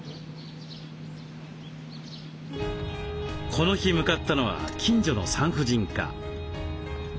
この日向かったのは近所の産婦人科。